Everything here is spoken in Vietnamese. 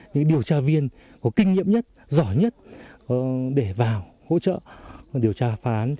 những điều tra viên có kinh nghiệm nhất giỏi nhất để vào hỗ trợ điều tra phá án